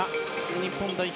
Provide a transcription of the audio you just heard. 日本代表